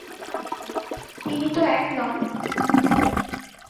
তিনি তো এক নন।